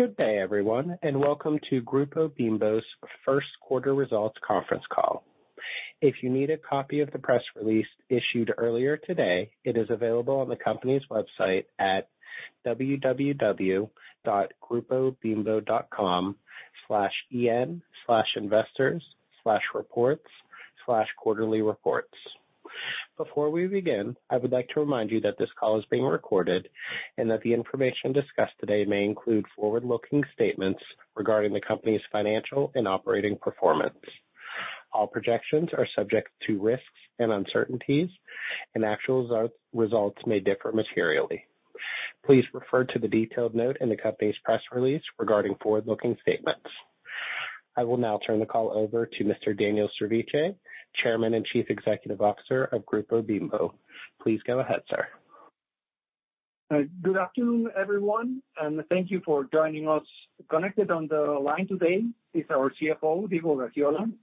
Good day everyone and welcome to Grupo Bimbo's first quarter results conference call. If you need a copy of the press release issued earlier today, it is available on the company's website at www.grupobimbo.com/en/investors/reports/quarterlyreports. Before we begin, I would like to remind you that this call is being recorded and that the information discussed today may include forward-looking statements regarding the company's financial and operating performance. All projections are subject to risks and uncertainties and actual results may differ materially. Please refer to the detailed note in the company's press release regarding forward-looking statements. I will now turn the call over to Mr. Daniel Servitje, Chairman and Chief Executive Officer of Grupo Bimbo. Please go ahead, sir. Good afternoon, everyone, and thank you for joining us. Connected on the line today is our CFO, Diego Gaxiola Cuevas,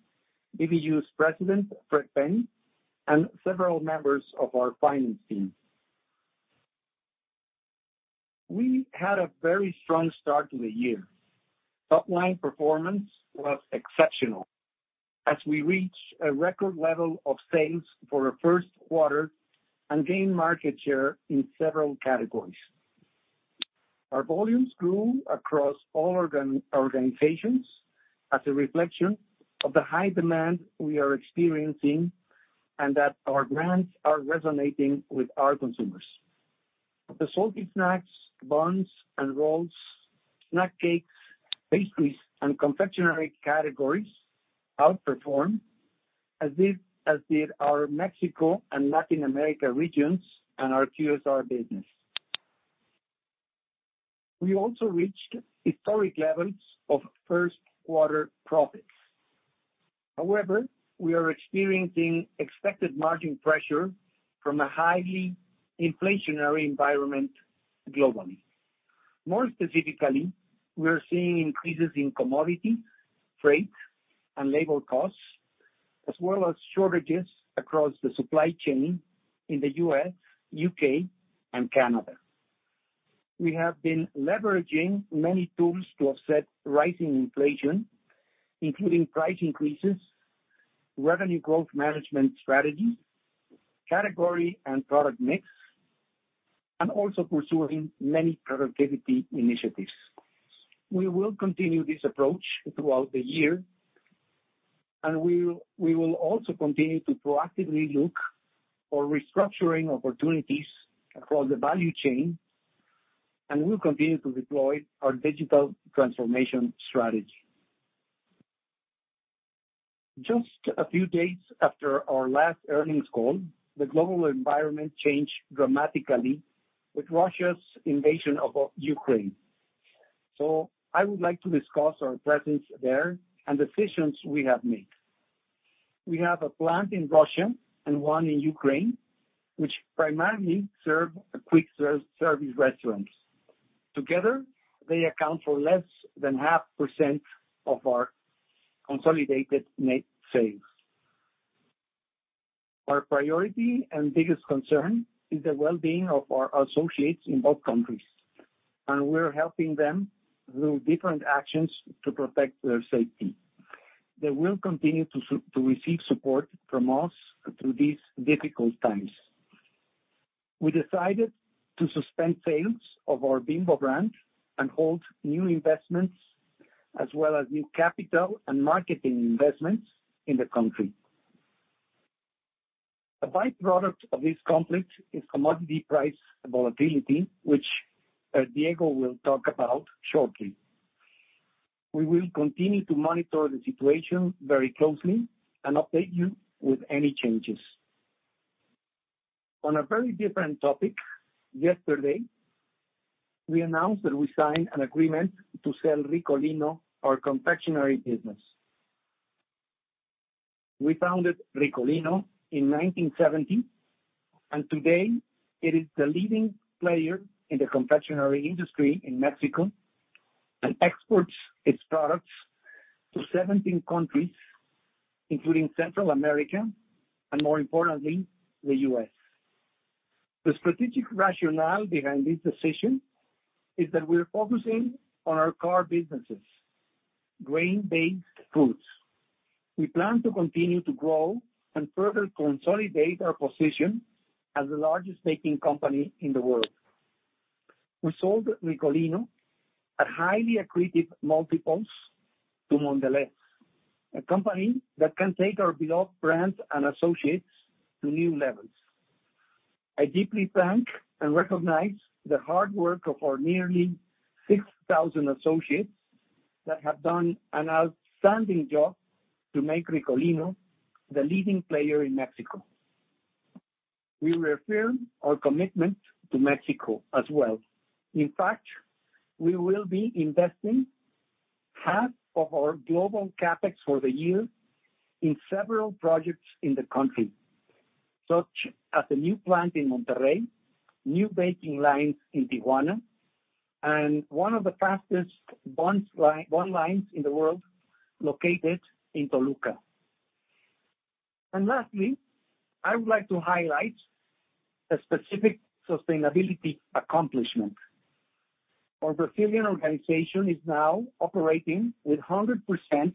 BBU's President, Fred Penny, and several members of our finance team. We had a very strong start to the year. Top-line performance was exceptional as we reached a record level of sales for a first quarter and gained market share in several categories. Our volumes grew across all organizations as a reflection of the high demand we are experiencing and that our brands are resonating with our consumers. The salty snacks, buns and rolls, snack cakes, pastries, and confectionery categories outperformed as did our Mexico and Latin America regions and our QSR business. We also reached historic levels of first quarter profits. However, we are experiencing expected margin pressure from a highly inflationary environment globally. More specifically, we are seeing increases in commodity, freight, and labor costs, as well as shortages across the supply chain in the U.S., U.K., and Canada. We have been leveraging many tools to offset rising inflation, including price increases, revenue growth management strategies, category and product mix, and also pursuing many productivity initiatives. We will continue this approach throughout the year, and we will also continue to proactively look for restructuring opportunities across the value chain and will continue to deploy our digital transformation strategy. Just a few days after our last earnings call, the global environment changed dramatically with Russia's invasion of Ukraine. I would like to discuss our presence there and decisions we have made. We have a plant in Russia and one in Ukraine, which primarily serve quick service restaurants. Together, they account for less than 0.5% of our consolidated net sales. Our priority and biggest concern is the well-being of our associates in both countries, and we're helping them through different actions to protect their safety. They will continue to receive support from us through these difficult times. We decided to suspend sales of our Bimbo brand and halt new investments as well as new capital and marketing investments in the country. A byproduct of this conflict is commodity price volatility, which, Diego will talk about shortly. We will continue to monitor the situation very closely and update you with any changes. On a very different topic, yesterday, we announced that we signed an agreement to sell Ricolino, our confectionery business. We founded Ricolino in 1970, and today it is the leading player in the confectionery industry in Mexico and exports its products to 17 countries, including Central America and more importantly, the U.S. The strategic rationale behind this decision is that we're focusing on our core businesses, grain-based foods. We plan to continue to grow and further consolidate our position as the largest baking company in the world. We sold Ricolino at highly accretive multiples to Mondelez, a company that can take our beloved brand and associates to new levels. I deeply thank and recognize the hard work of our nearly 6,000 associates that have done an outstanding job to make Ricolino the leading player in Mexico. We reaffirm our commitment to Mexico as well. In fact, we will be investing half of our global CapEx for the year in several projects in the country, such as a new plant in Monterrey, new baking lines in Tijuana, and one of the fastest bun lines in the world located in Toluca. Lastly, I would like to highlight a specific sustainability accomplishment. Our Brazilian organization is now operating with 100%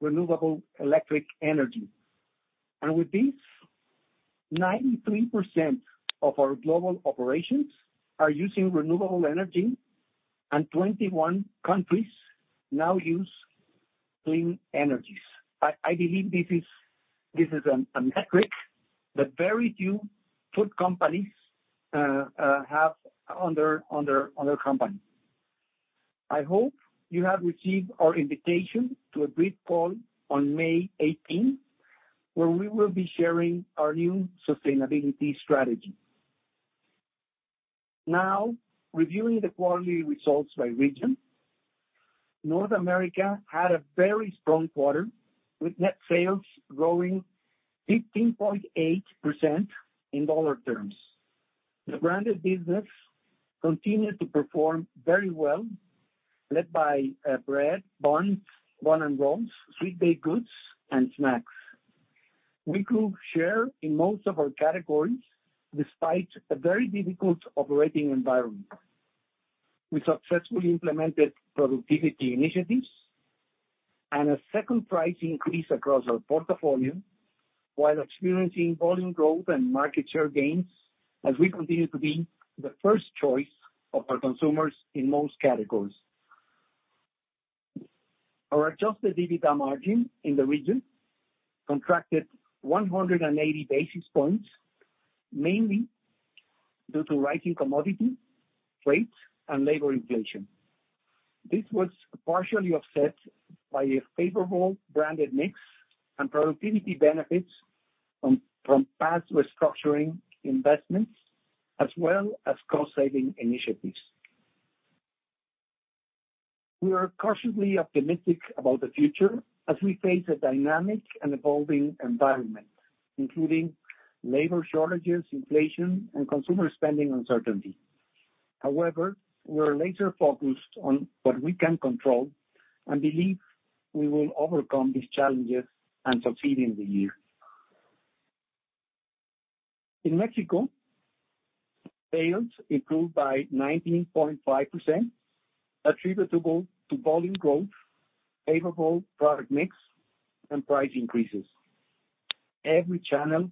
renewable electric energy. With this, 93% of our global operations are using renewable energy and 21 countries now use clean energies. I believe this is a metric that very few food companies have on their company. I hope you have received our invitation to a brief call on May 18, where we will be sharing our new sustainability strategy. Now, reviewing the quarterly results by region. North America had a very strong quarter, with net sales growing 15.8% in dollar terms. The branded business continued to perform very well, led by bread, buns and rolls, sweet baked goods and snacks. We grew share in most of our categories, despite a very difficult operating environment. We successfully implemented productivity initiatives and a second price increase across our portfolio while experiencing volume growth and market share gains as we continue to be the first choice of our consumers in most categories. Our adjusted EBITDA margin in the region contracted 100 basis points, mainly due to rising commodity, freight, and labor inflation. This was partially offset by a favorable branded mix and productivity benefits from past restructuring investments, as well as cost saving initiatives. We are cautiously optimistic about the future as we face a dynamic and evolving environment, including labor shortages, inflation, and consumer spending uncertainty. However, we're laser-focused on what we can control and believe we will overcome these challenges and succeed in the year. In Mexico, sales improved by 19.5% attributable to volume growth, favorable product mix, and price increases. Every channel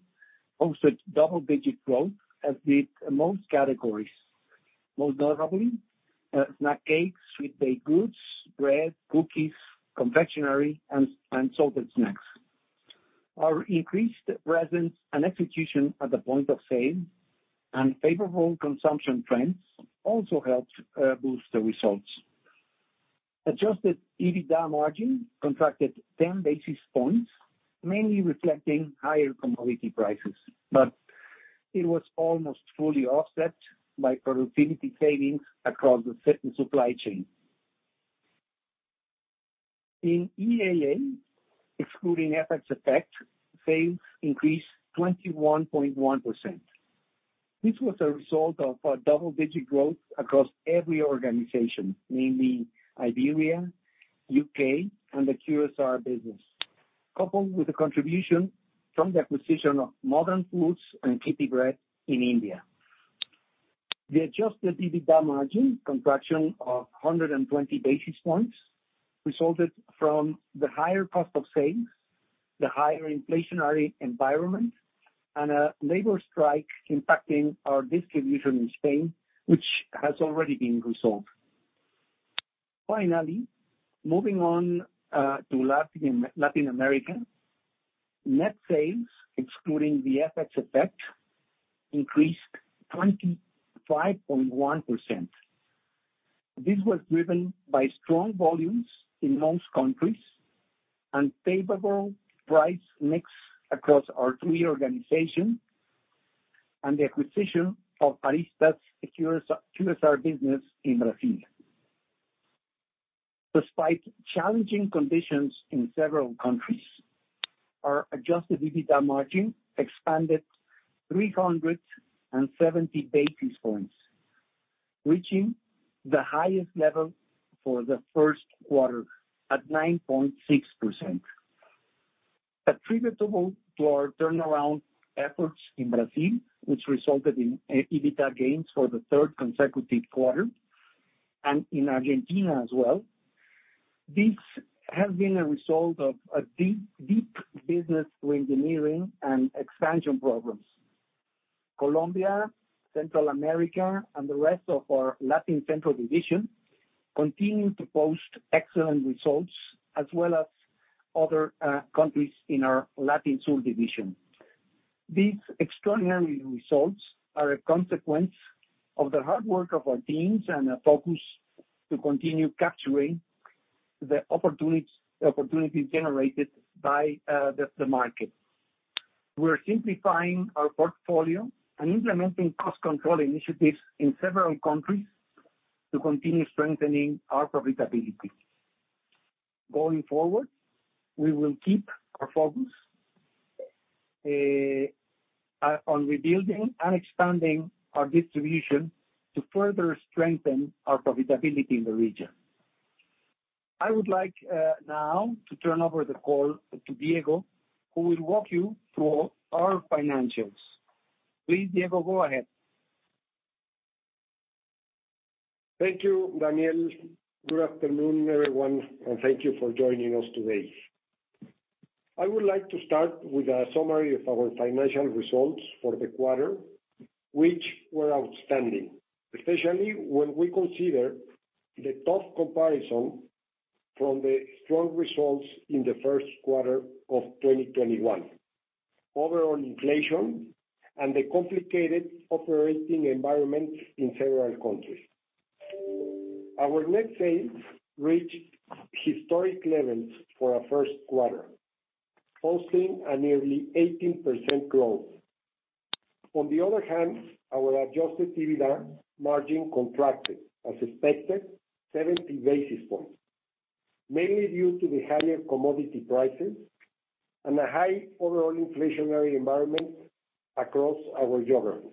posted double-digit growth, as did most categories. Most notably, snack cakes, sweet baked goods, bread, cookies, confectionery, and salted snacks. Our increased presence and execution at the point of sale and favorable consumption trends also helped boost the results. Adjusted EBITDA margin contracted 10 basis points, mainly reflecting higher commodity prices, but it was almost fully offset by productivity savings across the entire supply chain. In EAA, excluding FX effect, sales increased 21.1%. This was a result of a double-digit growth across every organization, mainly Iberia, U.K., and the QSR business, coupled with the contribution from the acquisition of Modern Foods and Kitty Bread in India. The adjusted EBITDA margin contraction of 120 basis points resulted from the higher cost of sales, the higher inflationary environment, and a labor strike impacting our distribution in Spain, which has already been resolved. Finally, moving on to Latin America. Net sales, excluding the FX effect, increased 25.1%. This was driven by strong volumes in most countries and favorable price mix across our three organizations and the acquisition of Aryzta QSR business in Brazil. Despite challenging conditions in several countries, our adjusted EBITDA margin expanded 370 basis points, reaching the highest level for the first quarter at 9.6%. Attributable to our turnaround efforts in Brazil, which resulted in EBITDA gains for the third consecutive quarter, and in Argentina as well. This has been a result of a deep business reengineering and expansion programs. Colombia, Central America, and the rest of our Latin Centro division continue to post excellent results, as well as other countries in our Latin Sur division. These extraordinary results are a consequence of the hard work of our teams and a focus to continue capturing the opportunities generated by the market. We're simplifying our portfolio and implementing cost control initiatives in several countries to continue strengthening our profitability. Going forward, we will keep our focus on rebuilding and expanding our distribution to further strengthen our profitability in the region. I would like now to turn over the call to Diego, who will walk you through our financials. Please, Diego, go ahead. Thank you, Daniel. Good afternoon, everyone, and thank you for joining us today. I would like to start with a summary of our financial results for the quarter, which were outstanding, especially when we consider the tough comparison from the strong results in the first quarter of 2021, overall inflation and the complicated operating environment in several countries. Our net sales reached historic levels for a first quarter, posting a nearly 18% growth. On the other hand, our adjusted EBITDA margin contracted as expected 70 basis points, mainly due to the higher commodity prices and a high overall inflationary environment across our geography.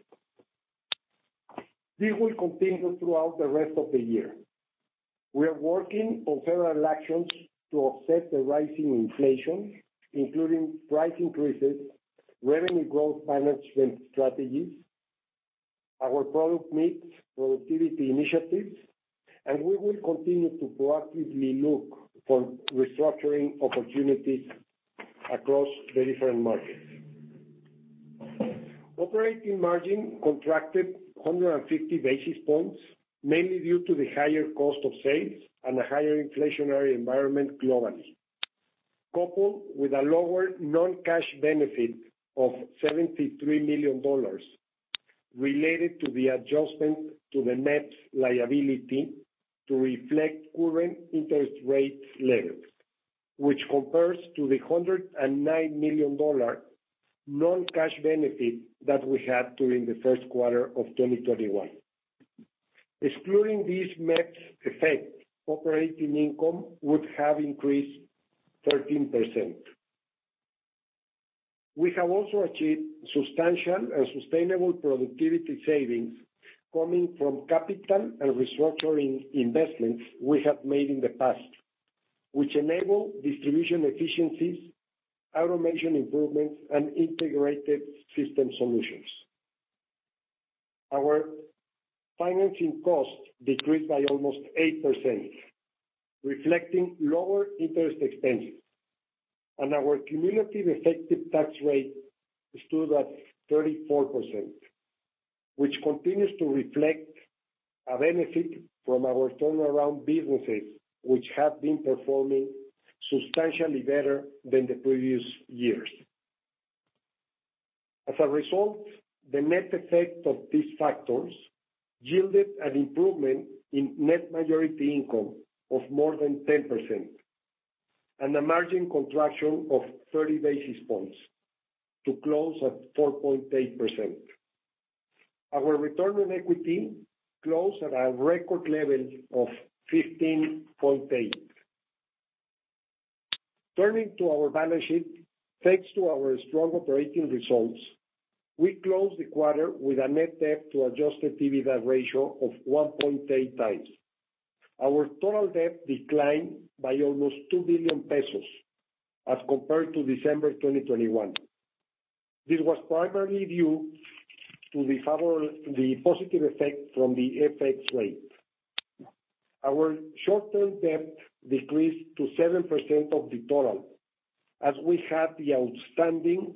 This will continue throughout the rest of the year. We are working on several actions to offset the rising inflation, including price increases, revenue growth management strategies, our product mix, productivity initiatives, and we will continue to proactively look for restructuring opportunities across the different markets. Operating margin contracted 150 basis points, mainly due to the higher cost of sales and a higher inflationary environment globally. Coupled with a lower non-cash benefit of $73 million related to the adjustment to the net liability to reflect current interest rates levels, which compares to the $109 million non-cash benefit that we had during the first quarter of 2021. Excluding this net effect, operating income would have increased 13%. We have also achieved substantial and sustainable productivity savings coming from capital and restructuring investments we have made in the past, which enable distribution efficiencies, automation improvements, and integrated system solutions. Our financing costs decreased by almost 8%, reflecting lower interest expenses. Our cumulative effective tax rate stood at 34%, which continues to reflect a benefit from our turnaround businesses, which have been performing substantially better than the previous years. As a result, the net effect of these factors yielded an improvement in net majority income of more than 10% and a margin contraction of 30 basis points to close at 4.8%. Our return on equity closed at a record level of 15.8%. Turning to our balance sheet, thanks to our strong operating results, we closed the quarter with a net debt to adjusted EBITDA ratio of 1.8x. Our total debt declined by almost 2 billion pesos as compared to December 2021. This was primarily due to the positive effect from the FX rate. Our short-term debt decreased to 7% of the total as we had the outstanding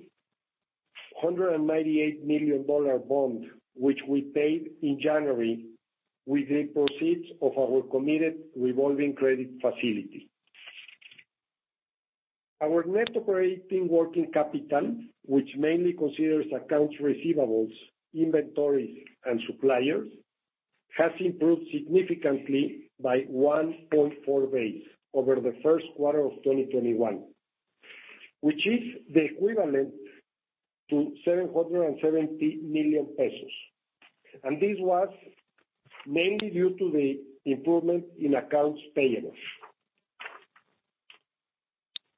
$198 million bond, which we paid in January with the proceeds of our committed revolving credit facility. Our net operating working capital, which mainly considers accounts receivables, inventories, and suppliers, has improved significantly by 1.4 Base over the first quarter of 2021, which is the equivalent to 770 million pesos. This was mainly due to the improvement in accounts payable.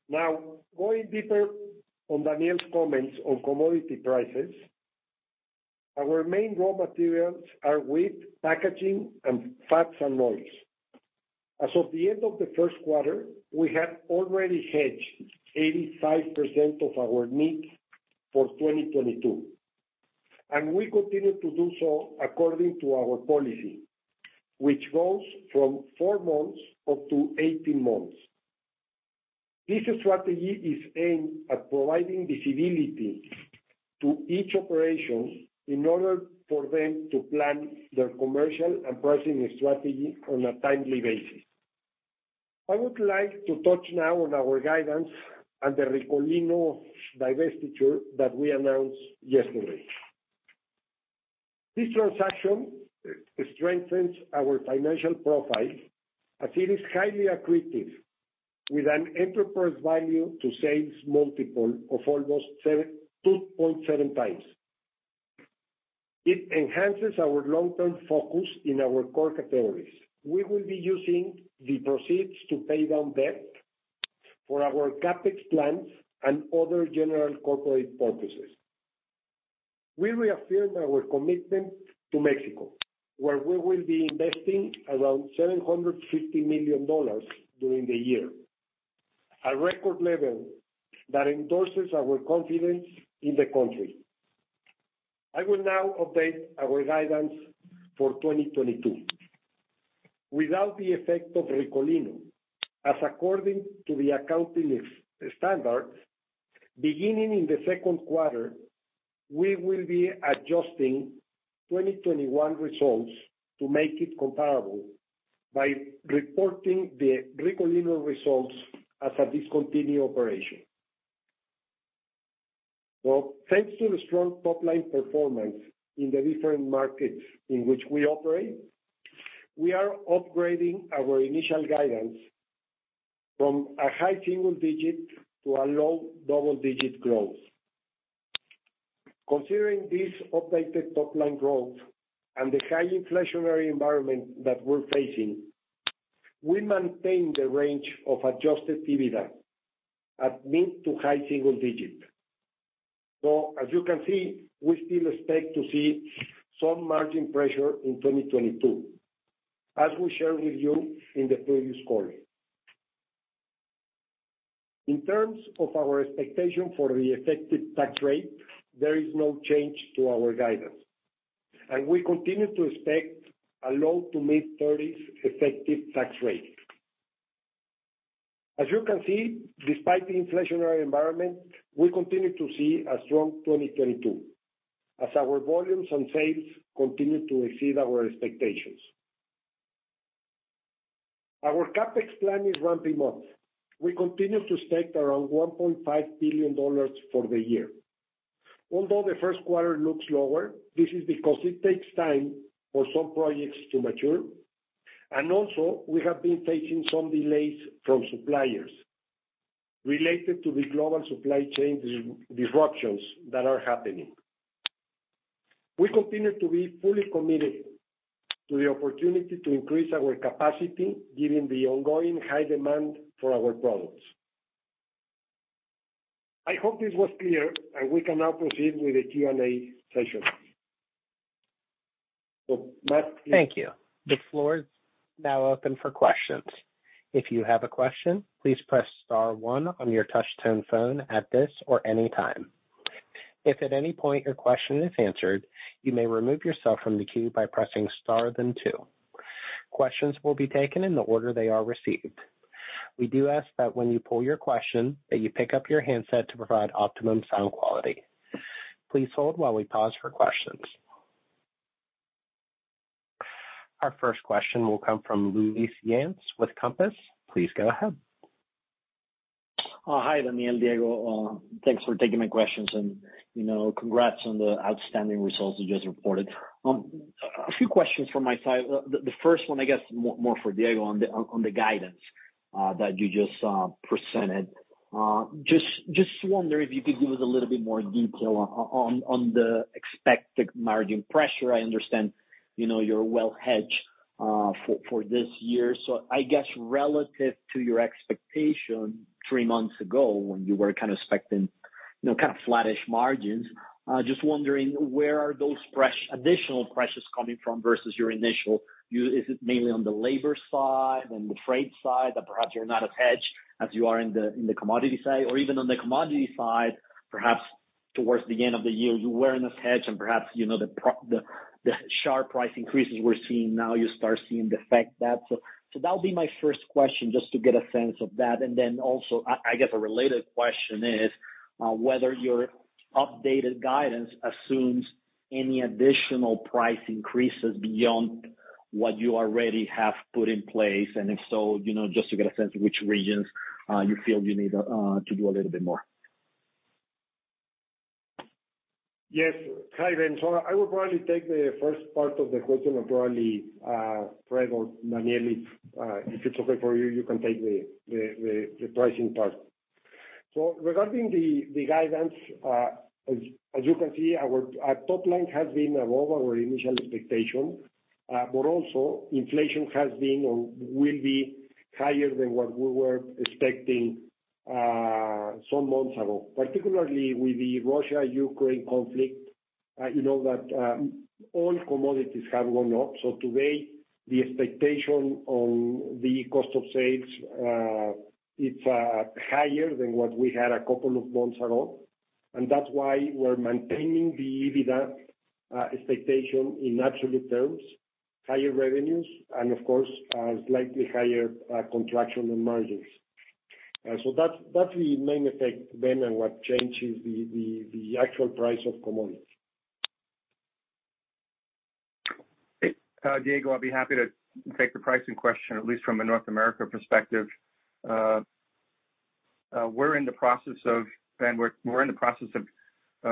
Now, going deeper on Daniel's comments on commodity prices, our main raw materials are wheat, packaging, and fats and oils. As of the end of the first quarter, we had already hedged 85% of our needs for 2022, and we continue to do so according to our policy, which goes from four months up to 18 months. This strategy is aimed at providing visibility to each operation in order for them to plan their commercial and pricing strategy on a timely basis. I would like to touch now on our guidance and the Ricolino divestiture that we announced yesterday. This transaction strengthens our financial profile as it is highly accretive with an enterprise value to sales multiple of 2.7x. It enhances our long-term focus in our core categories. We will be using the proceeds to pay down debt for our CapEx plans and other general corporate purposes. We reaffirm our commitment to Mexico, where we will be investing around $750 million during the year, a record level that endorses our confidence in the country. I will now update our guidance for 2022. Without the effect of Ricolino, as according to the accounting standard, beginning in the second quarter, we will be adjusting 2021 results to make it comparable by reporting the Ricolino results as a discontinued operation. Well, thanks to the strong top-line performance in the different markets in which we operate, we are upgrading our initial guidance from high single-digit to low double-digit growth. Considering this updated top-line growth and the high inflationary environment that we're facing, we maintain the range of adjusted EBITDA at mid to high single-digit. As you can see, we still expect to see some margin pressure in 2022, as we shared with you in the previous quarter. In terms of our expectation for the effective tax rate, there is no change to our guidance. We continue to expect a low to mid 30's effective tax rate. As you can see, despite the inflationary environment, we continue to see a strong 2022 as our volumes and sales continue to exceed our expectations. Our CapEx plan is ramping up. We continue to expect around MXN 1.5 billion for the year. Although the first quarter looks lower, this is because it takes time for some projects to mature. We have been facing some delays from suppliers related to the global supply chain disruptions that are happening. We continue to be fully committed to the opportunity to increase our capacity given the ongoing high demand for our products. I hope this was clear, and we can now proceed with the Q&A session. Matt. Thank you. The floor is now open for questions. If you have a question, please press star one on your touch tone phone at this or any time. If at any point your question is answered, you may remove yourself from the queue by pressing star then two. Questions will be taken in the order they are received. We do ask that when you ask your question, that you pick up your handset to provide optimum sound quality. Please hold while we pause for questions. Our first question will come from Luis Yance with Compass. Please go ahead. Hi, Daniel, Diego. Thanks for taking my questions and, you know, congrats on the outstanding results you just reported. A few questions from my side. The first one I guess more for Diego on the guidance that you just presented. Just wonder if you could give us a little bit more detail on the expected margin pressure. I understand, you know, you're well hedged for this year. I guess relative to your expectation three months ago when you were kind of expecting, you know, kind of flattish margins, just wondering where those additional pressures coming from versus your initial? Is it mainly on the labor side, on the freight side that perhaps you're not as hedged as you are in the commodity side? Even on the commodity side, perhaps towards the end of the year, you weren't as hedged and perhaps, you know, the sharp price increases we're seeing now, you start seeing the effect that. That'll be my first question, just to get a sense of that. Also, I guess a related question is whether your updated guidance assumes any additional price increases beyond what you already have put in place, and if so, you know, just to get a sense of which regions you feel you need to do a little bit more. Yes. Hi, Yance. I will probably take the first part of the question and probably Fred or Daniel, if it's okay for you can take the pricing part. Regarding the guidance, as you can see, our top line has been above our initial expectation, but also inflation has been or will be higher than what we were expecting some months ago. Particularly with the Russia-Ukraine conflict, you know that all commodities have gone up. Today, the expectation on the cost of sales, it's higher than what we had a couple of months ago. That's why we're maintaining the EBITDA expectation in absolute terms, higher revenues and of course slightly higher contraction in margins. That's the main effect then, and what changes the actual price of commodities. Diego, I'd be happy to take the pricing question, at least from a North America perspective. We're in the process of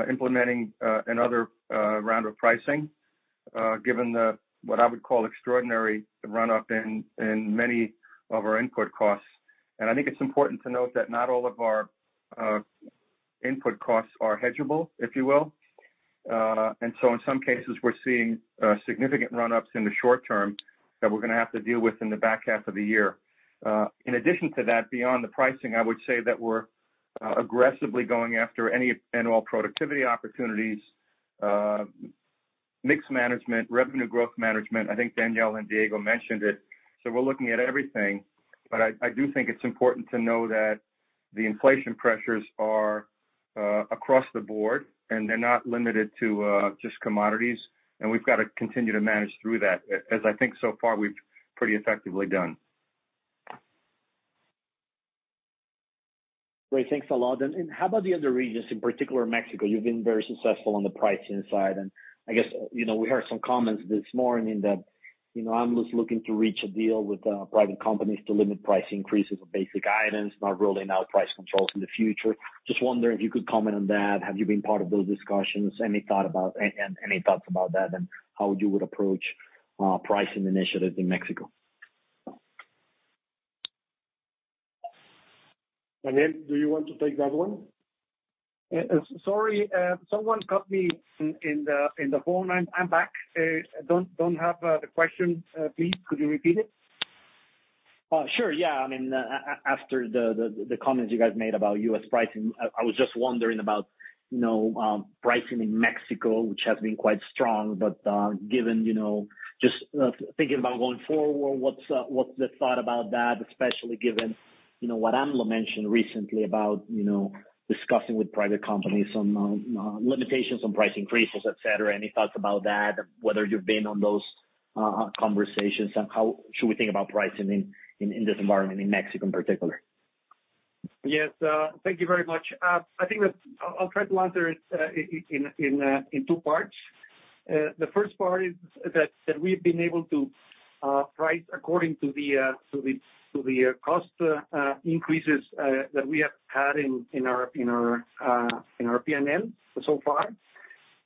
implementing another round of pricing given the what I would call extraordinary run-up in many of our input costs. I think it's important to note that not all of our input costs are hedgeable, if you will. In some cases, we're seeing significant run-ups in the short term that we're gonna have to deal with in the back half of the year. In addition to that, beyond the pricing, I would say that we're aggressively going after any and all productivity opportunities, mix management, revenue growth management. I think Daniel and Diego mentioned it. We're looking at everything. I do think it's important to know that the inflation pressures are across the board, and they're not limited to just commodities. We've got to continue to manage through that, as I think so far we've pretty effectively done. Great. Thanks a lot. How about the other regions, in particular Mexico? You've been very successful on the pricing side. I guess, you know, we heard some comments this morning that, you know, AMLO's looking to reach a deal with private companies to limit price increases of basic items, not ruling out price controls in the future. Just wondering if you could comment on that. Have you been part of those discussions? Any thoughts about that, and how you would approach pricing initiatives in Mexico? Daniel, do you want to take that one? Sorry, someone cut me off on the phone. I'm back. I don't have the question. Please could you repeat it? Sure, yeah. I mean, after the comments you guys made about U.S. pricing, I was just wondering about, you know, pricing in Mexico, which has been quite strong. Given, you know, just thinking about going forward, what's the thought about that, especially given, you know, what AMLO mentioned recently about, you know, discussing with private companies on limitations on price increases, et cetera? Any thoughts about that, whether you've been on those conversations, and how should we think about pricing in this environment in Mexico in particular? Yes. Thank you very much. I think that I'll try to answer it in two parts. The first part is that we've been able to price according to the cost increases that we have had in our P&L so far.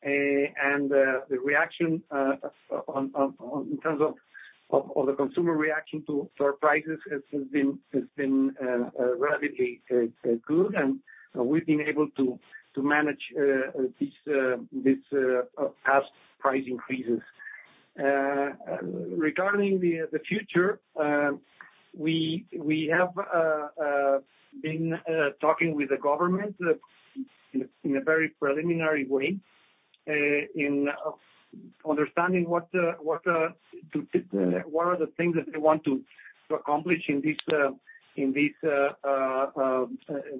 The reaction in terms of the consumer reaction to our prices has been relatively good, and we've been able to manage these past price increases. Regarding the future, we have been talking with the government in a very preliminary way in understanding what to. What are the things that they want to accomplish in this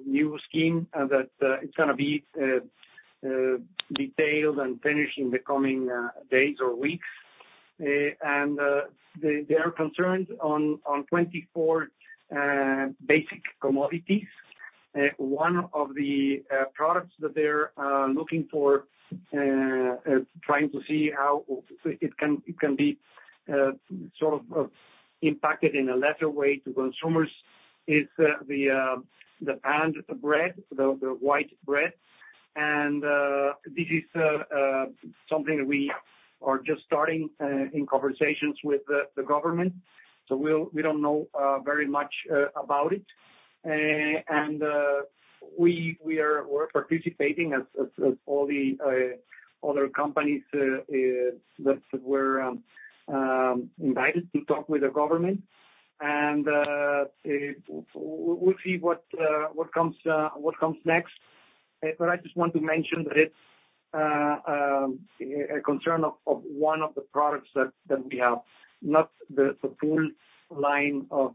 new scheme, and that it's gonna be detailed and finished in the coming days or weeks. They are concerned on 24 basic commodities. One of the products that they're looking for is trying to see how it can be sort of impacted in a lesser way to consumers is the pan bread, the white bread. This is something that we are just starting in conversations with the government, so we don't know very much about it. We're participating as all the other companies that were invited to talk with the government. We'll see what comes next. I just want to mention that it's a concern of one of the products that we have, not the full line of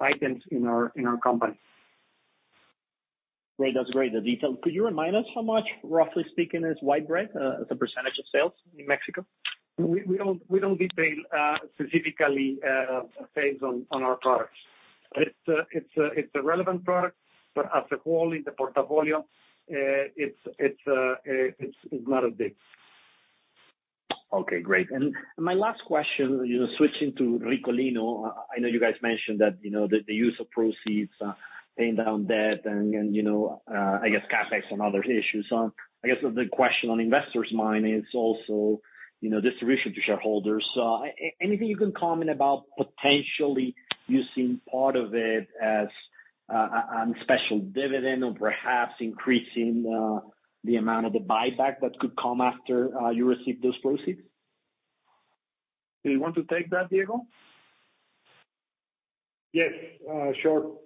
items in our company. Great. That's great, the detail. Could you remind us how much, roughly speaking, is white bread as a percentage of sales in Mexico? We don't detail specifically sales on our products. It's a relevant product, but as a whole in the portfolio, it's not big. Okay, great. My last question, you know, switching to Ricolino, I know you guys mentioned that, you know, the use of proceeds, paying down debt and, you know, I guess CapEx and other issues. I guess the big question on investors' mind is also, you know, distribution to shareholders. Anything you can comment about potentially using part of it as a special dividend or perhaps increasing the amount of the buyback that could come after you receive those proceeds? Do you want to take that, Diego? Yes. Sure.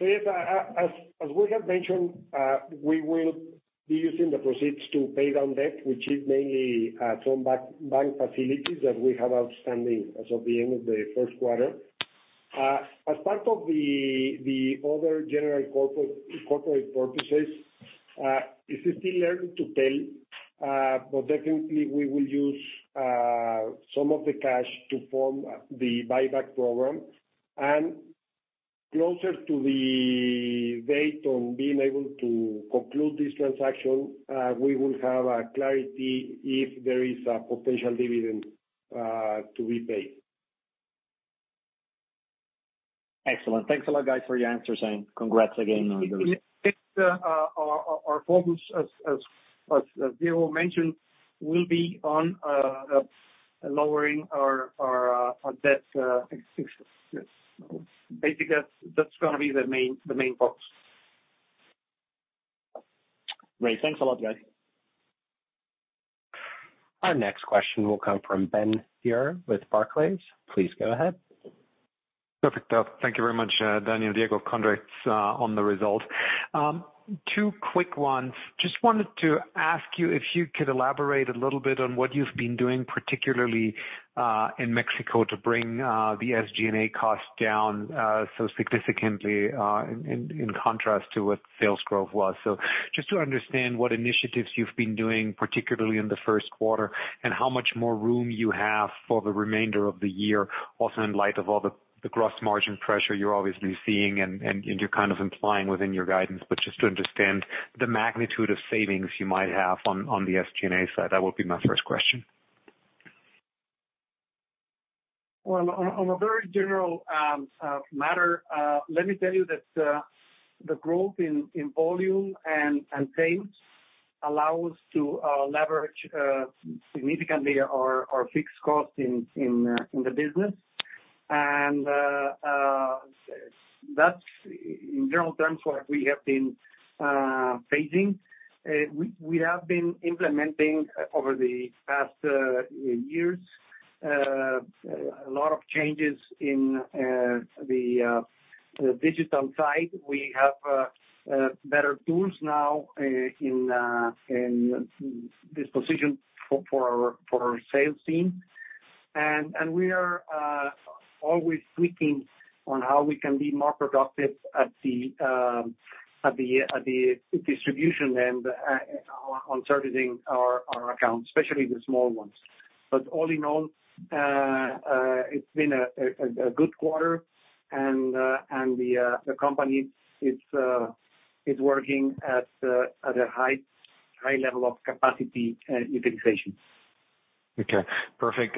Yes, as we have mentioned, we will be using the proceeds to pay down debt, which is mainly some bank facilities that we have outstanding as of the end of the first quarter. As part of the other general corporate purposes, this is still early to tell, but definitely we will use some of the cash to fund the buyback program. Closer to the date on being able to conclude this transaction, we will have clarity if there is a potential dividend to be paid. Excellent. Thanks a lot, guys, for your answers, and congrats again on the. Yes. Our focus, as Diego mentioned, will be on lowering our debt, yes. Basically that's gonna be the main focus. Great. Thanks a lot, guys. Our next question will come from Ben Theurer with Barclays. Please go ahead. Perfect. Thank you very much, Daniel, Diego, congrats on the result. Two quick ones. Just wanted to ask you if you could elaborate a little bit on what you've been doing, particularly in Mexico to bring the SG&A cost down so significantly in contrast to what sales growth was. Just to understand what initiatives you've been doing, particularly in the first quarter, and how much more room you have for the remainder of the year, also in light of all the gross margin pressure you're obviously seeing and you're kind of implying within your guidance, but just to understand the magnitude of savings you might have on the SG&A side. That would be my first question. Well, on a very general matter, let me tell you that the growth in volume and sales allows to leverage significantly our fixed costs in the business. That's in general terms what we have been facing. We have been implementing over the past years a lot of changes in the digital side. We have better tools now in this position for our sales team. We are always tweaking on how we can be more productive at the distribution end on servicing our accounts, especially the small ones. But all in all, it's been a good quarter and the company is working at a high level of capacity utilization. Okay, perfect.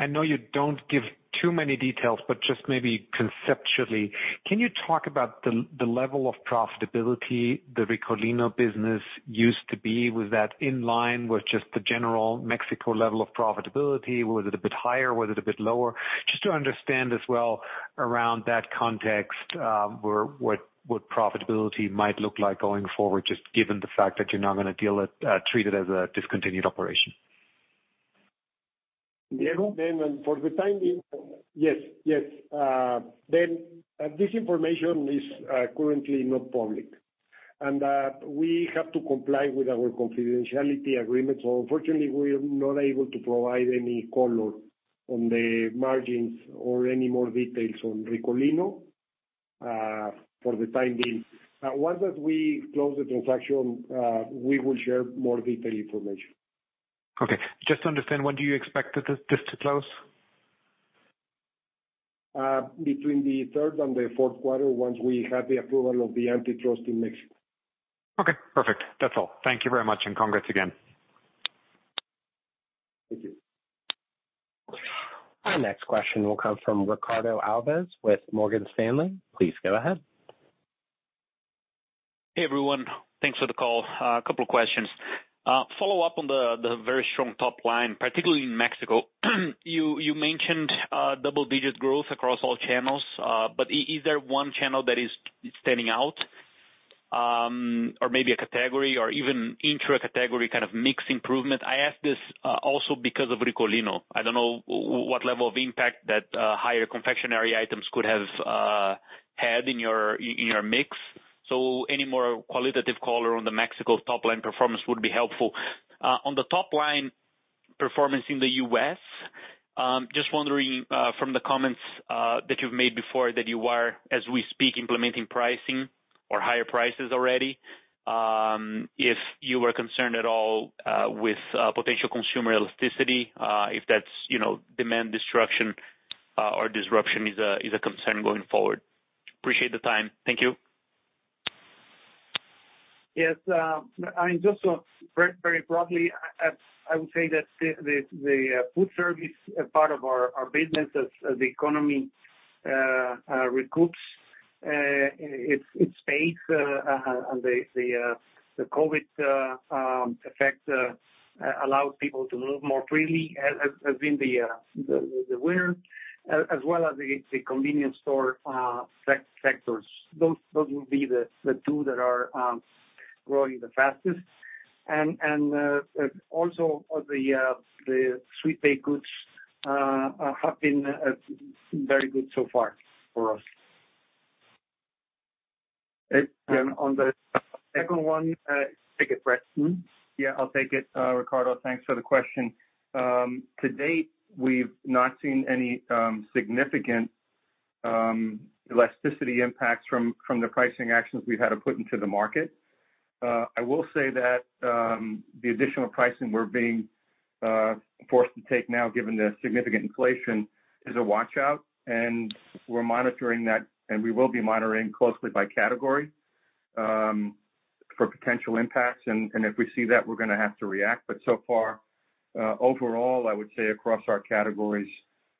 I know you don't give too many details, but just maybe conceptually, can you talk about the level of profitability the Ricolino business used to be? Was that in line with just the general Mexico level of profitability? Was it a bit higher? Was it a bit lower? Just to understand as well around that context, what profitability might look like going forward, just given the fact that you're now gonna treat it as a discontinued operation. Diego? Ben, and for the time being. Yes, yes. Ben, this information is currently not public, and we have to comply with our confidentiality agreement. Unfortunately, we are not able to provide any color on the margins or any more details on Ricolino, for the time being. Once that we close the transaction, we will share more detailed information. Okay. Just to understand, when do you expect this to close? Between the third and the fourth quarter, once we have the approval of the antitrust in Mexico. Okay, perfect. That's all. Thank you very much, and congrats again. Thank you. Our next question will come from Ricardo Alves with Morgan Stanley. Please go ahead. Hey, everyone. Thanks for the call. A couple of questions. Follow up on the very strong top line, particularly in Mexico. You mentioned double-digit growth across all channels, but is there one channel that is standing out, or maybe a category or even intra-category kind of mix improvement? I ask this also because of Ricolino. I don't know what level of impact that higher confectionery items could have had in your mix. Any more qualitative color on the Mexico top-line performance would be helpful. On the top-line performance in the U.S., just wondering from the comments that you've made before that you are, as we speak, implementing pricing or higher prices already, if you are concerned at all with potential consumer elasticity, if that's, you know, demand destruction or disruption is a concern going forward? Appreciate the time. Thank you. Yes. I mean, just very broadly, I would say that the food service part of our business as the economy recoups its pace and the COVID effect allows people to move more freely, as in the [they will] as well as the convenience store sectors. Those will be the two that are growing the fastest. Also the sweet baked goods have been very good so far for us. On the second one. Take it, Fred. Yeah, I'll take it, Ricardo. Thanks for the question. To date, we've not seen any significant elasticity impacts from the pricing actions we've had to put into the market. I will say that the additional pricing we're being forced to take now given the significant inflation is a watch-out, and we're monitoring that, and we will be monitoring closely by category for potential impacts. If we see that, we're gonna have to react. So far, overall, I would say across our categories,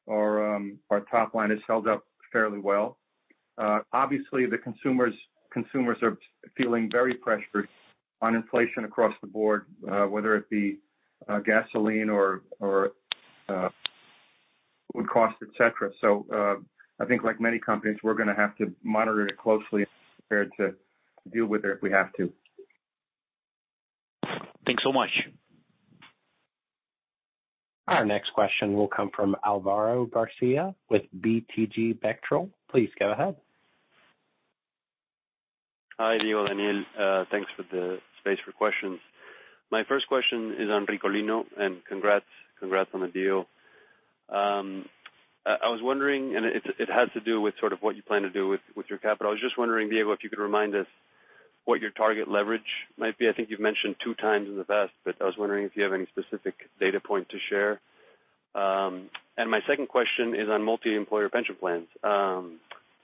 our top line has held up fairly well. Obviously the consumers are feeling very pressured on inflation across the board, whether it be gasoline or food cost, et cetera. I think like many companies, we're gonna have to monitor it closely, prepared to deal with it if we have to. Thanks so much. Our next question will come from Álvaro García with BTG Pactual. Please go ahead. Hi, Diego, Daniel. Thanks for the space for questions. My first question is on Ricolino, and congrats on the deal. I was wondering, and it has to do with sort of what you plan to do with your capital. I was just wondering, Diego, if you could remind us what your target leverage might be. I think you've mentioned two times in the past, but I was wondering if you have any specific data point to share. My second question is on multi employer pension plans.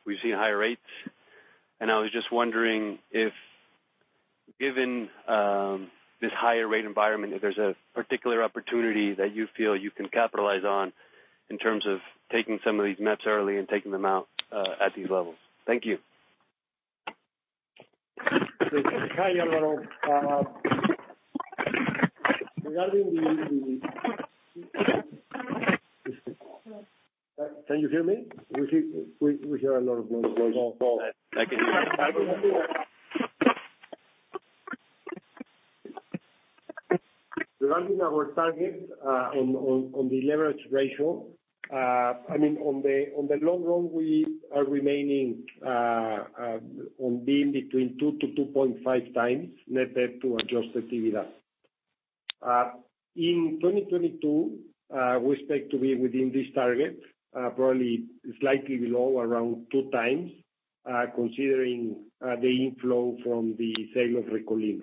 We've seen higher rates, and I was just wondering if, given this higher rate environment, if there's a particular opportunity that you feel you can capitalize on in terms of taking some of these MEP's early and taking them out at these levels. Thank you. Hi, Álvaro. Can you hear me? We hear a lot of noise. I can hear you. Regarding our target, on the leverage ratio, I mean, on the long run, we are remaining on being between 2x-2.5x net debt to adjusted EBITDA. In 2022, we expect to be within this target, probably slightly below around 2x, considering the inflow from the sale of Ricolino.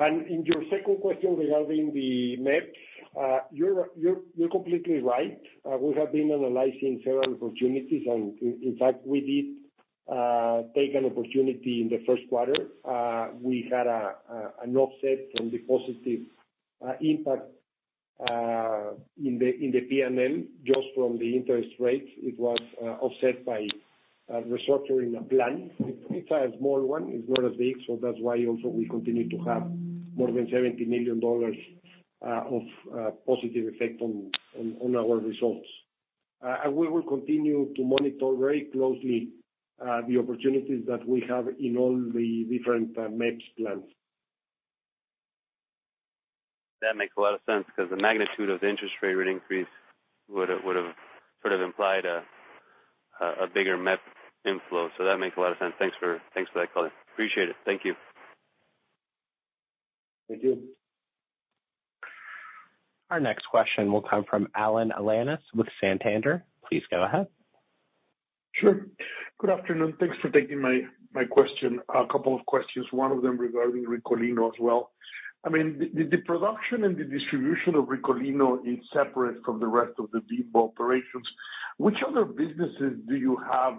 In your second question regarding the MEP, you're completely right. We have been analyzing several opportunities, and in fact, we did take an opportunity in the first quarter. We had an offset from the positive impact in the P&L just from the interest rates. It was offset by restructuring a plan. It's a small one, it's not as big, so that's why also we continue to have more than $70 million of positive effect on our results. We will continue to monitor very closely the opportunities that we have in all the different MEP plans. That makes a lot of sense because the magnitude of the interest rate increase would have sort of implied a bigger MEP inflow. That makes a lot of sense. Thanks for that clarity. Appreciate it. Thank you. Thank you. Our next question will come from Alan Alanis with Santander. Please go ahead. Sure. Good afternoon. Thanks for taking my question. A couple of questions, one of them regarding Ricolino as well. I mean, the production and the distribution of Ricolino is separate from the rest of the Bimbo operations. Which other businesses do you have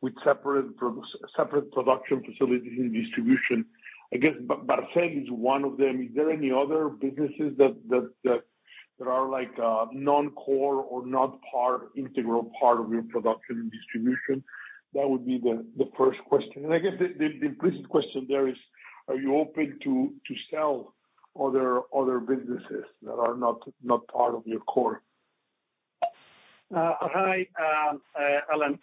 with separate production facilities and distribution? I guess Barcel is one of them. Is there any other businesses that are like non-core or not part integral part of your production and distribution? That would be the first question. I guess the implicit question there is, are you open to sell other businesses that are not part of your core? Hi, Alan.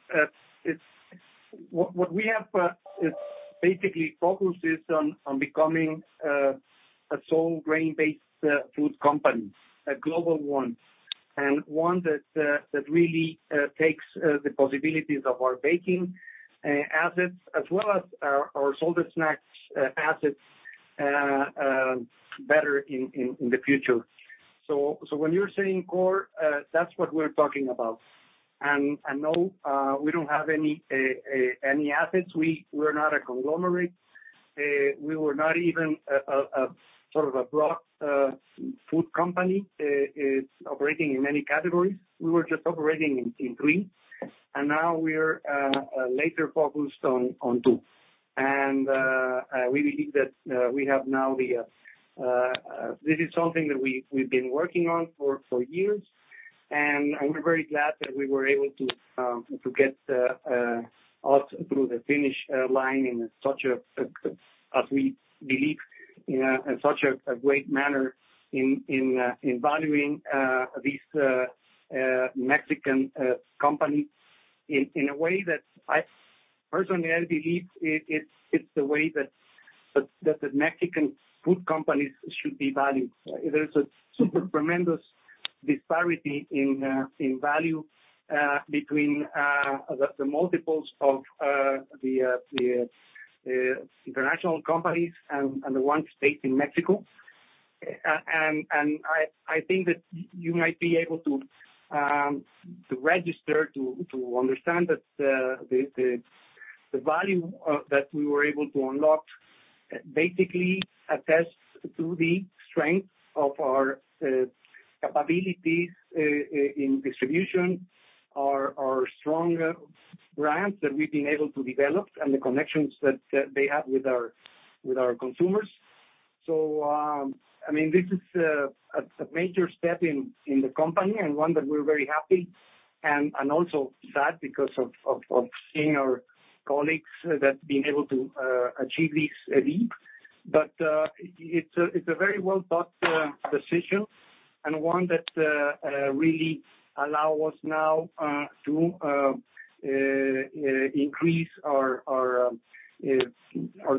What we have is basically focuses on becoming a whole grain-based food company, a global one, and one that really takes the possibilities of our baking assets as well as our salted snacks assets better in the future. When you're saying core, that's what we're talking about. No, we don't have any assets. We're not a conglomerate. We were not even a sort of a broad food company operating in many categories. We were just operating in three, and now we're laser focused on two. We believe that we now have this, something that we've been working on for years, and we're very glad that we were able to get us through the finish line in such a great manner, as we believe, in such a great manner in valuing this Mexican company in a way that I personally believe it's the way that the Mexican food companies should be valued. There's a super tremendous disparity in value between the multiples of the international companies and the ones based in Mexico. I think that you might be able to understand that the value that we were able to unlock basically attests to the strength of our capabilities in distribution, our strong brands that we've been able to develop, and the connections that they have with our consumers. I mean, this is a major step in the company and one that we're very happy and also sad because of seeing our colleagues that being able to achieve this leave. It's a very well-thought decision and one that really allow us now to increase our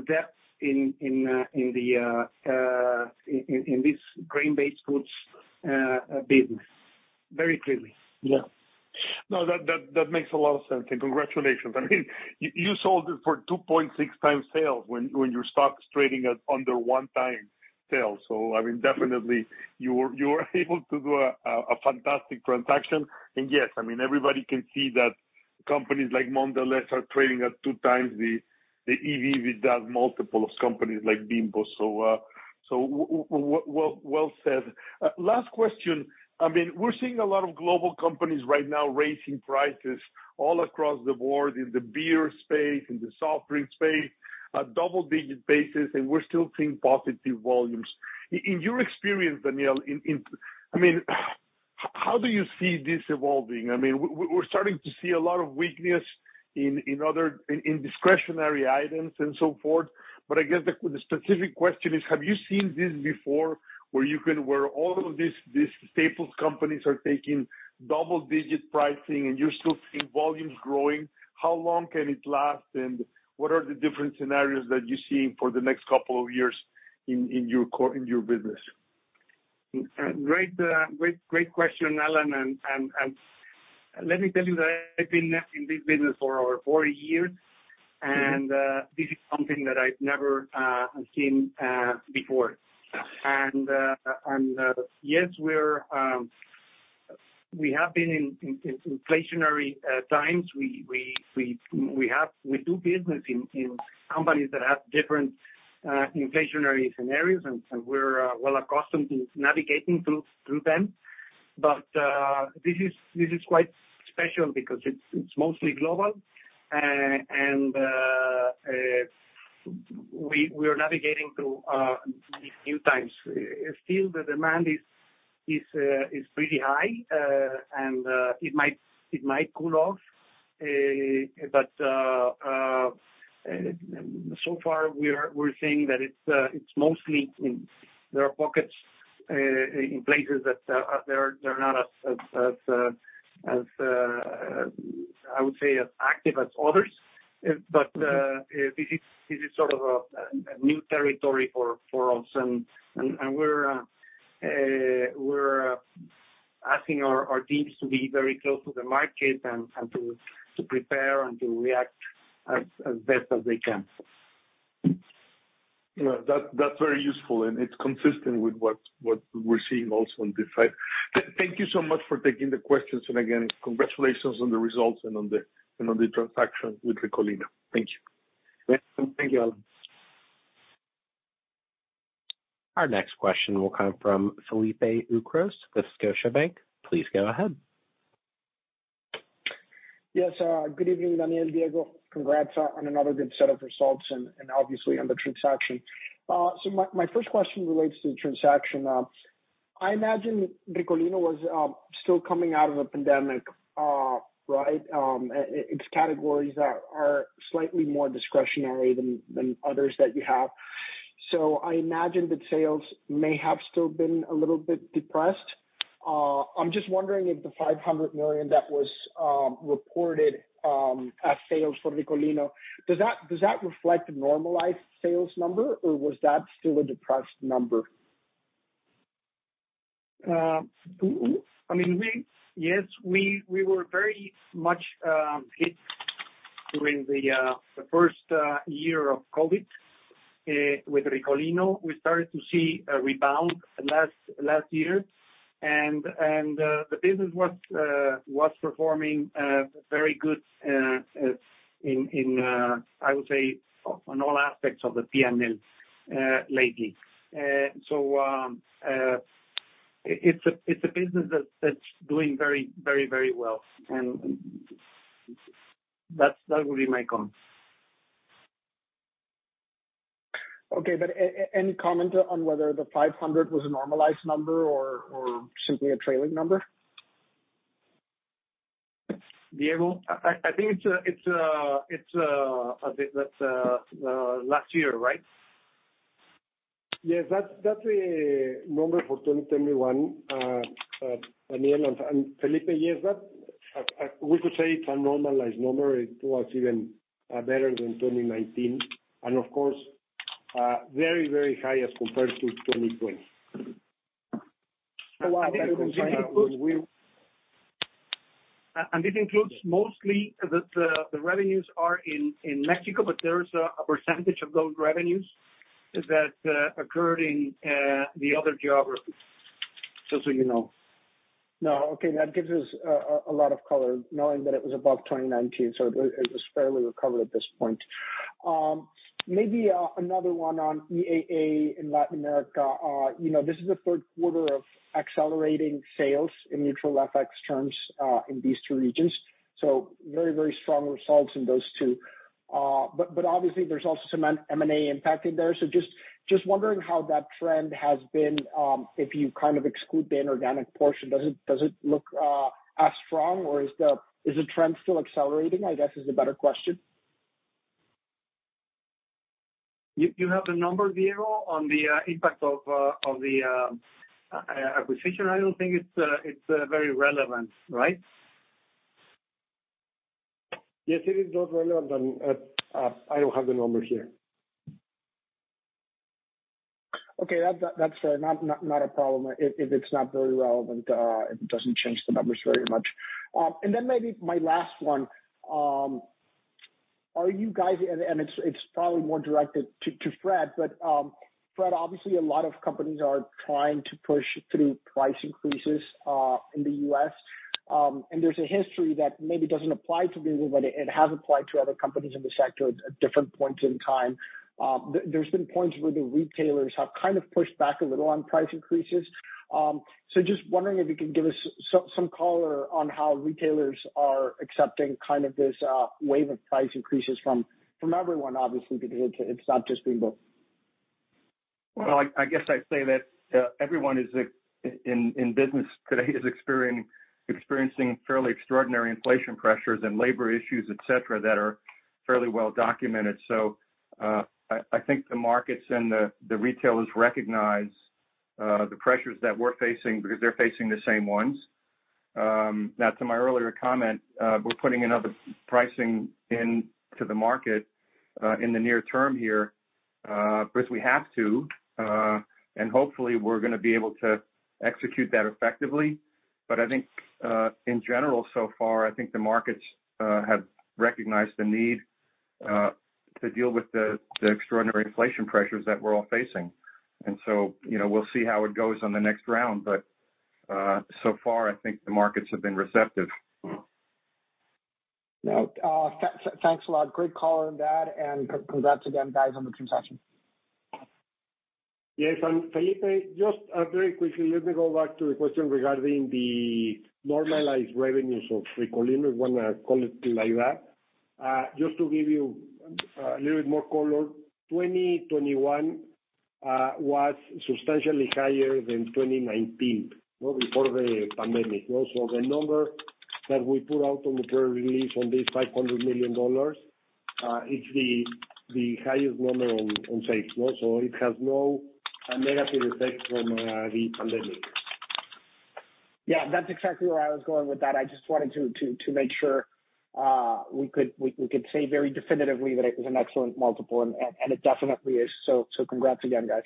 depth in this grain-based goods business, very clearly. No, that makes a lot of sense, and congratulations. I mean, you sold it for 2.6x sales when your stock's trading at under 1 times sales. I mean, definitely, you were able to do a fantastic transaction. Yes, I mean, everybody can see that companies like Mondelez are trading at 2x the EV/EBITDA multiple of companies like Bimbo. Well said. Last question. I mean, we're seeing a lot of global companies right now raising prices all across the board in the beer space, in the soft drink space, at double-digit paces, and we're still seeing positive volumes. In your experience, Daniel, I mean, how do you see this evolving? I mean, we're starting to see a lot of weakness in other discretionary items and so forth. I guess the specific question is, have you seen this before where all of these staples companies are taking double-digit pricing and you're still seeing volumes growing? How long can it last, and what are the different scenarios that you're seeing for the next couple of years in your business? Great question, Alan. Let me tell you that I've been in this business for over 40 years, and this is something that I've never seen before. Yes, we have been in inflationary times. We do business in companies that have different inflationary scenarios, and we're well accustomed to navigating through them. This is quite special because it's mostly global. We are navigating through these new times. Still the demand is pretty high, and it might cool off. So far we're seeing that it's mostly in There are pockets in places that they're not as active as others, I would say. This is sort of a new territory for us. We're asking our teams to be very close to the market and to prepare and to react as best as they can. No, that's very useful, and it's consistent with what we're seeing also on this side. Thank you so much for taking the questions. Again, congratulations on the results and on the transaction with Ricolino. Thank you. Thank you, Alan. Our next question will come from Felipe Ucros with Scotiabank. Please go ahead. Yes. Good evening, Daniel, Diego. Congrats on another good set of results and obviously on the transaction. My first question relates to the transaction. I imagine Ricolino was still coming out of the pandemic, right? And its categories are slightly more discretionary than others that you have. I imagine that sales may have still been a little bit depressed. I'm just wondering if the 500 million that was reported as sales for Ricolino does that reflect a normalized sales number, or was that still a depressed number? Yes, we were very much hit during the first year of COVID with Ricolino. We started to see a rebound last year. The business was performing very good in, I would say, on all aspects of the P&L lately. It's a business that's doing very well. That would be my comment. Okay. Any comment on whether the 500 was a normalized number or simply a trailing number? Diego? I think that's last year, right? Yes. That's the number for 2021, Daniel. Felipe, yes, we could say it's a normalized number. It was even better than 2019. Of course, very, very high as compared to 2020. I think it includes. That includes. It includes mostly the revenues are in Mexico, but there is a percentage of those revenues that occurred in the other geographies, just so you know. No. Okay. That gives us a lot of color, knowing that it was above 2019, so it was fairly recovered at this point. Maybe another one on EAA in Latin America. You know, this is the third quarter of accelerating sales in neutral FX terms in these two regions, so very strong results in those two. But obviously there's also some M&A impact in there. So just wondering how that trend has been, if you kind of exclude the inorganic portion. Does it look as strong or is the trend still accelerating, I guess is the better question? You have the number, Diego, on the impact of the acquisition? I don't think it's very relevant, right? Yes, it is not relevant. I don't have the number here. Okay. That's not a problem if it's not very relevant. It doesn't change the numbers very much. Then maybe my last one. It's probably more directed to Fred. Fred, obviously a lot of companies are trying to push through price increases in the U.S. There's a history that maybe doesn't apply to Bimbo, but it has applied to other companies in the sector at different points in time. There's been points where the retailers have kind of pushed back a little on price increases. Just wondering if you can give us some color on how retailers are accepting kind of this wave of price increases from everyone obviously, because it's not just Bimbo. Well, I guess I'd say that everyone in business today is experiencing fairly extraordinary inflation pressures and labor issues, et cetera, that are fairly well documented. I think the markets and the retailers recognize the pressures that we're facing because they're facing the same ones. Now to my earlier comment, we're putting another pricing into the market in the near term here because we have to, and hopefully we're gonna be able to execute that effectively. But I think in general, so far, I think the markets have recognized the need to deal with the extraordinary inflation pressures that we're all facing. You know, we'll see how it goes on the next round. So far I think the markets have been receptive. Now, thanks a lot. Great call on that, and congrats again, guys, on the transaction. Yes. Felipe, just very quickly, let me go back to the question regarding the normalized revenues of Ricolino, wanna call it like that. Just to give you a little bit more color, 2021 was substantially higher than 2019, you know, before the pandemic. The number that we put out on the press release on this $500 million is the highest number on sales. It has no negative effect from the pandemic. Yeah, that's exactly where I was going with that. I just wanted to make sure we could say very definitively that it was an excellent multiple, and it definitely is. Congrats again, guys.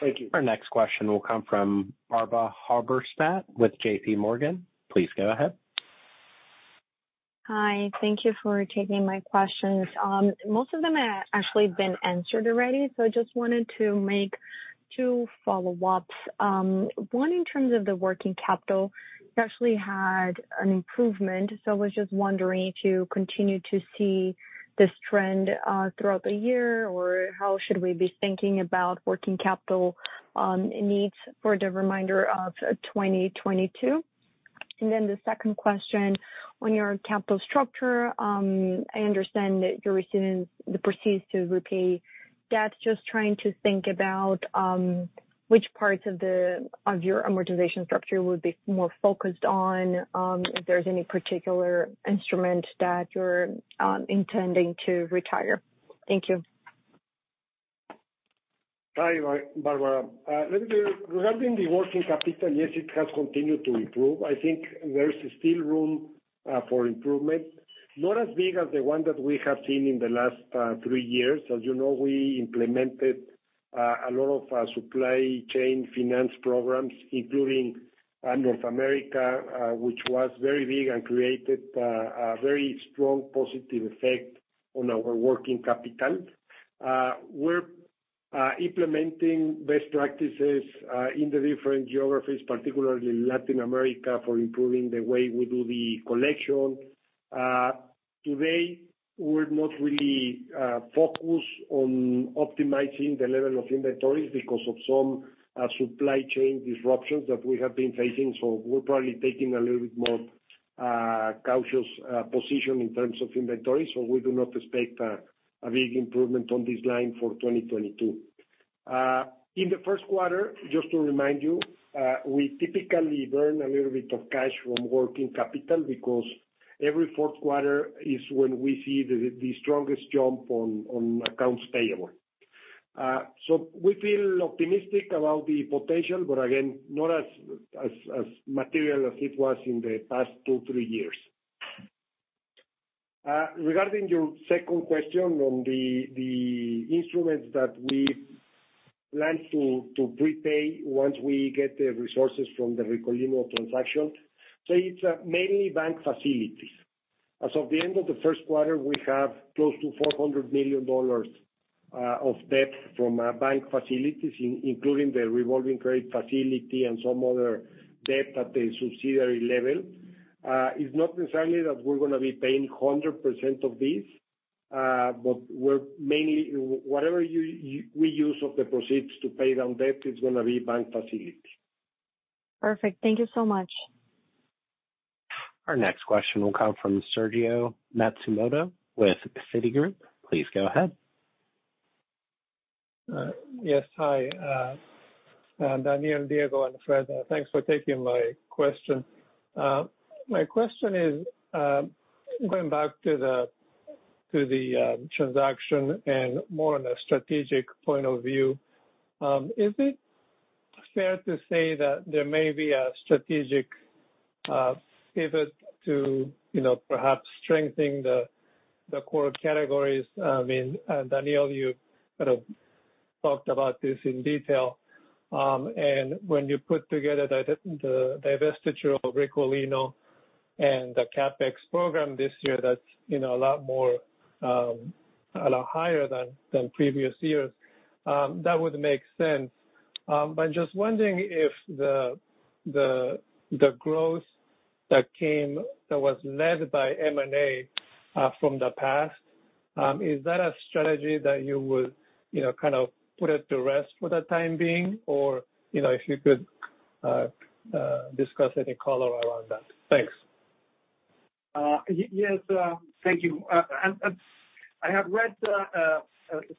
Thank you. Our next question will come from Barbara Halberstadt with JPMorgan. Please go ahead. Hi. Thank you for taking my questions. Most of them have actually been answered already, so I just wanted to make two follow-ups. One in terms of the working capital, you actually had an improvement, so I was just wondering if you continue to see this trend throughout the year, or how should we be thinking about working capital needs for the remainder of 2022? The second question on your capital structure, I understand that you're using the proceeds to repay debt. Just trying to think about which parts of your amortization structure would be more focused on, if there's any particular instrument that you're intending to retire. Thank you. Hi, Barbara. Regarding the working capital, yes, it has continued to improve. I think there's still room for improvement. Not as big as the one that we have seen in the last three years. As you know, we implemented a lot of supply chain finance programs, including North America, which was very big and created a very strong positive effect on our working capital. We're implementing best practices in the different geographies, particularly Latin America, for improving the way we do the collection. Today, we're not really focused on optimizing the level of inventories because of some supply chain disruptions that we have been facing, so we're probably taking a little bit more cautious position in terms of inventory. We do not expect a big improvement on this line for 2022. In the first quarter, just to remind you, we typically burn a little bit of cash from working capital because every fourth quarter is when we see the strongest jump on accounts payable. We feel optimistic about the potential, but again, not as material as it was in the past two, three years. Regarding your second question on the instruments that we plan to prepay once we get the resources from the Ricolino transaction. It's mainly bank facilities. As of the end of the first quarter, we have close to $400 million of debt from bank facilities, including the revolving credit facility and some other debt at the subsidiary level. It's not necessarily that we're gonna be paying 100% of this, but we're mainly whatever we use of the proceeds to pay down debt is gonna be bank facility. Perfect. Thank you so much. Our next question will come from Sergio Matsumoto with Citigroup. Please go ahead. Yes. Hi, Daniel, Diego and Fred. Thanks for taking my question. My question is, going back to the transaction and more on a strategic point of view, is it fair to say that there may be a strategic pivot to, you know, perhaps strengthening the core categories? I mean, Daniel, you kind of talked about this in detail. When you put together the divestiture of Ricolino and the CapEx program this year, that's, you know, a lot more, a lot higher than previous years, that would make sense. Just wondering if the growth that was led by M&A from the past, is that a strategy that you would, you know, kind of put it to rest for the time being? You know, if you could discuss any color around that. Thanks. Yes. Thank you. I have read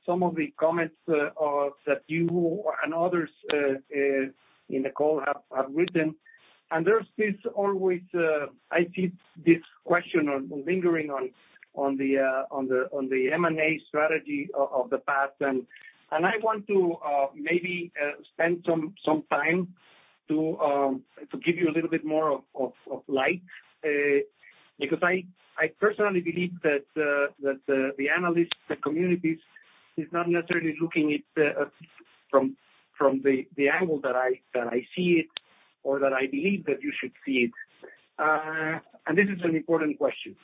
some of the comments that you and others in the call have written, and there's always this question I see lingering on the M&A strategy of the past. I want to maybe spend some time to give you a little bit more light. Because I personally believe that the analyst community is not necessarily looking at from the angle that I see it or that I believe you should see it. This is an important question.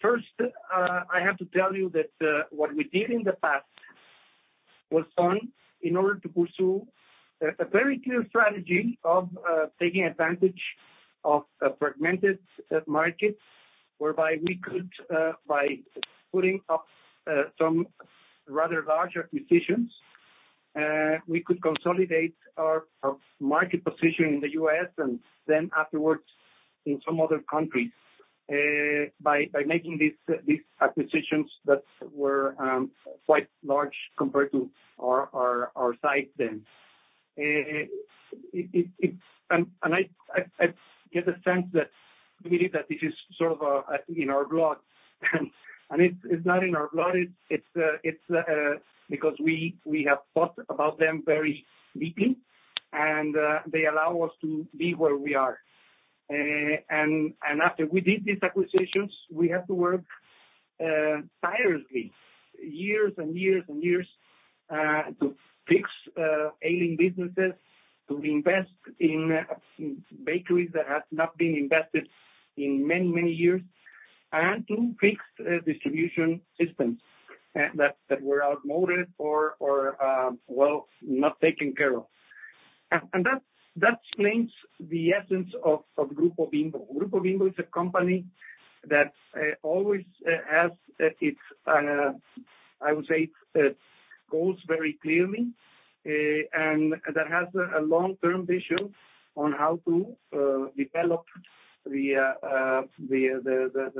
First, I have to tell you that what we did in the past was done in order to pursue a very clear strategy of taking advantage of a fragmented market, whereby we could by putting up some rather large acquisitions we could consolidate our market position in the U.S. and then afterwards in some other countries by making these acquisitions that were quite large compared to our size then. I get the sense that maybe this is sort of in our blood. It's not in our blood. It's because we have thought about them very deeply, and they allow us to be where we are. After we did these acquisitions, we had to work tirelessly years and years and years to fix ailing businesses, to invest in bakeries that had not been invested in many, many years, and to fix distribution systems that were outmoded or well not taken care of. That explains the essence of Grupo Bimbo. Grupo Bimbo is a company that always has its, I would say, its goals very clearly and that has a long-term vision on how to develop the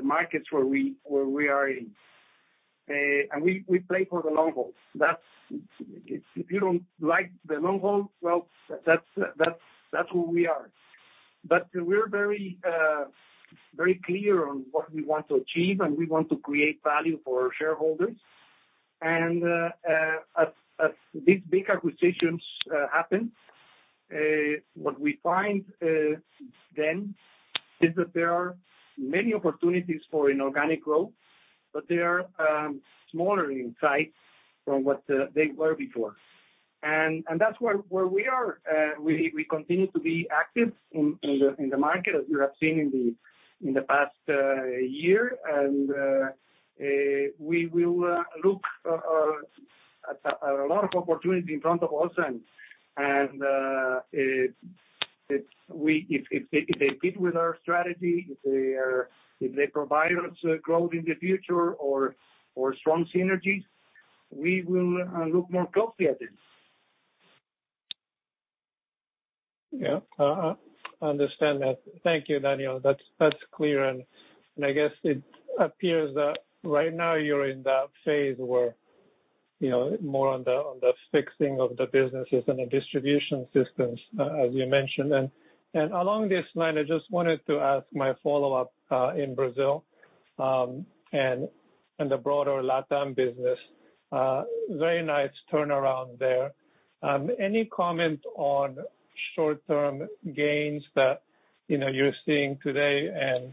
markets where we are in. We play for the long haul. That's. If you don't like the long haul, well, that's who we are. We're very clear on what we want to achieve, and we want to create value for our shareholders. As these big acquisitions happen, what we find then is that there are many opportunities for organic growth, but they are smaller in size from what they were before. That's where we are. We continue to be active in the market as you have seen in the past year. We will look at a lot of opportunity in front of us and if they fit with our strategy, if they provide us growth in the future or strong synergies, we will look more closely at it. Yeah. I understand that. Thank you, Daniel. That's clear. I guess it appears that right now you're in that phase where, you know, more on the fixing of the businesses and the distribution systems as you mentioned. Along this line, I just wanted to ask my follow-up in Brazil and the broader LatAm business. Very nice turnaround there. Any comment on short-term gains that, you know, you're seeing today and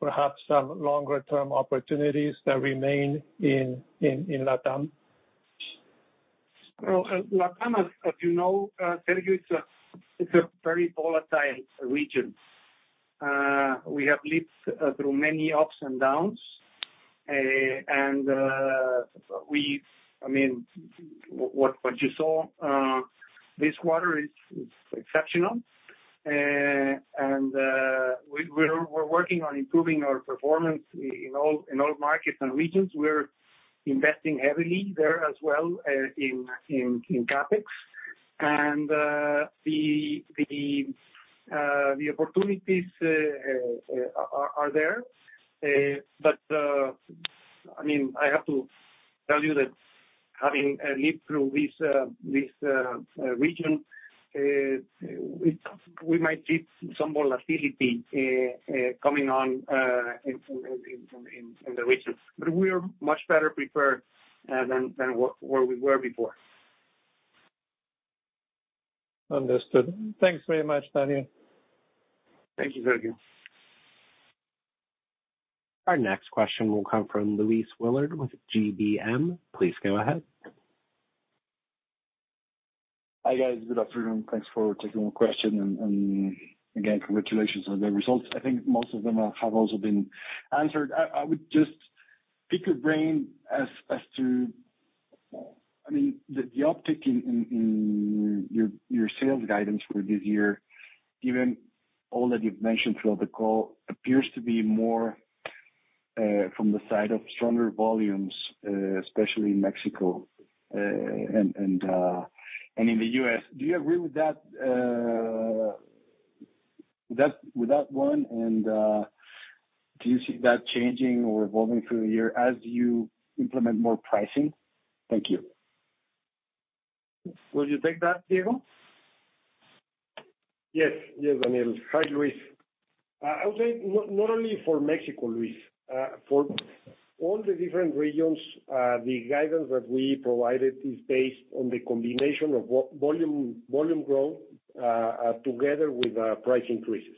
perhaps some longer term opportunities that remain in LatAm? Well, LatAm, as you know, Sergio, it's a very volatile region. We have lived through many ups and downs. I mean, what you saw this quarter is exceptional. We're working on improving our performance in all markets and regions. We're investing heavily there as well in CapEx. The opportunities are there. I mean, I have to tell you that having lived through this region, we might see some volatility coming on in the regions. We are much better prepared than where we were before. Understood. Thanks very much, Dani. Thank you, Sergio. Our next question will come from Luis Willard with GBM. Please go ahead. Hi, guys. Good afternoon. Thanks for taking my question. Again, congratulations on the results. I think most of them have also been answered. I would just pick your brain as to. I mean, the uptick in your sales guidance for this year, given all that you've mentioned throughout the call, appears to be more from the side of stronger volumes, especially in Mexico and in the U.S. Do you agree with that one? Do you see that changing or evolving through the year as you implement more pricing? Thank you. Will you take that, Diego? Yes. Yes, Daniel. Hi, Luis. I would say not only for Mexico, Luis, for all the different regions, the guidance that we provided is based on the combination of volume growth, together with price increases.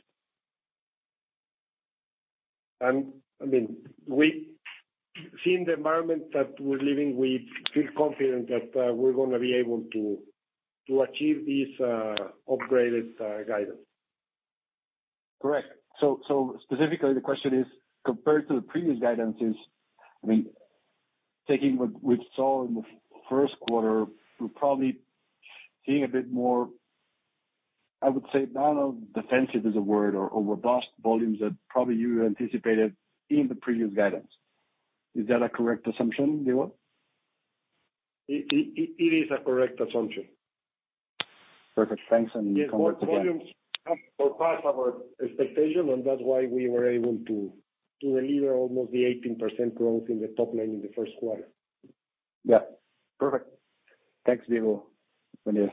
I mean, seeing the environment that we're living, we feel confident that we're gonna be able to achieve this upgraded guidance. Correct. Specifically the question is compared to the previous guidances, I mean, taking what we saw in the first quarter, we're probably seeing a bit more, I would say, not defensive is a word or robust volumes that probably you anticipated in the previous guidance. Is that a correct assumption, Diego? It is a correct assumption. Perfect. Thanks. Congrats again. Yes. Volume far surpass our expectation, and that's why we were able to deliver almost the 18% growth in the top line in the first quarter. Yeah. Perfect. Thanks, Diego. Daniel.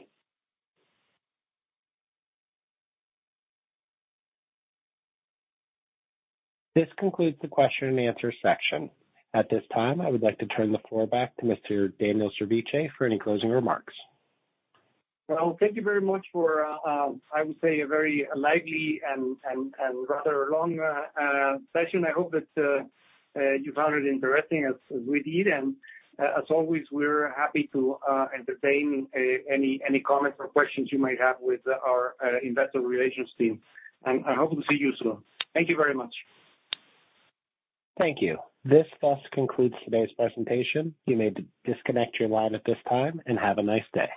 This concludes the question and answer section. At this time, I would like to turn the floor back to Mr. Daniel Servitje for any closing remarks. Well, thank you very much for, I would say, a very lively and rather long session. I hope that you found it interesting as we did. As always, we're happy to entertain any comments or questions you might have with our investor relations team. I hope to see you soon. Thank you very much. Thank you. This thus concludes today's presentation. You may disconnect your line at this time, and have a nice day.